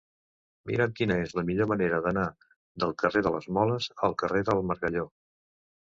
Mira'm quina és la millor manera d'anar del carrer de les Moles al carrer del Margalló.